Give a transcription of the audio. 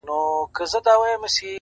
مثبت لید فرصتونه پیدا کوي,